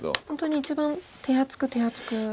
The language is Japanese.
本当に一番手厚く手厚く。